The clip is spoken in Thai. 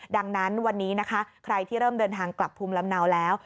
ดังนั้นวันนี้นะคะใครที่เริ่มเดินทางกลับภูมิลำเนาแล้ว